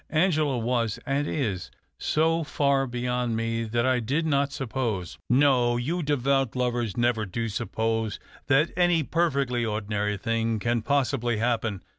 Angela was, and is, so far beyond me that I did not suppose "" No, you devout lovers never do suppose that any perfectly ordinary thing can possibly happen.